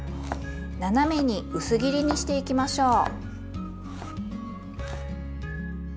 斜めに薄切りにしていきましょう。